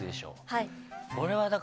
はい。